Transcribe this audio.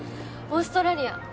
オーストラリア。